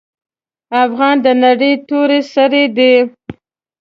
افغان د نرۍ توري سړی دی.